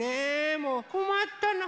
もうこまったな。